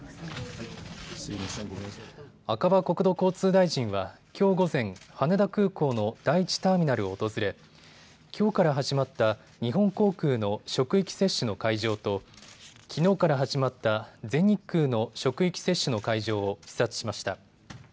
赤羽国土交通大臣はきょう午前、羽田空港の第１ターミナルを訪れきょうから始まった日本航空の職域接種の会場ときのうから始まった全日空の職域接種の会場を視察しました。